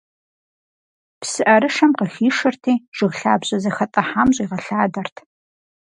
ПсыӀэрышэм къыхишырти, жыг лъабжьэ зэхэтӀыхьам щӀигъэлъадэрт.